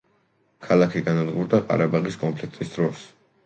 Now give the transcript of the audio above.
ქალაქი განადგურდა ყარაბაღის კონფლიქტის დროს.